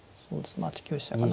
まあ８九飛車かな。